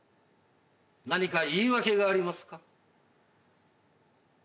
何か言い訳がありますか？